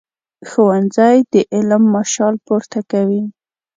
ښوونځی د علم مشال پورته کوي